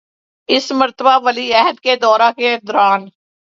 اس مرتبہ ولی عہد کے دورہ کے دوران